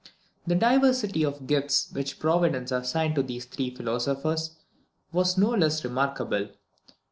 The diversity of gifts which Providence assigned to these three philosophers was no less remarkable.